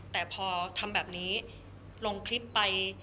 แต่พอทำแบบนี้ลงคลิปไป